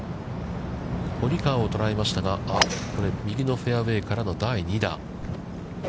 堀川を捉えましたが、これ右のフェアウェイからの第２打。